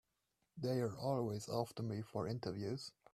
They're always after me for interviews.